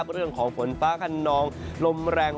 เรื่องของฝนฟ้าขนองลมแรง